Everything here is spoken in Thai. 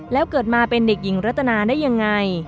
แล้วเกิดมาเป็นเด็กหญิงรัตนาได้ยังไง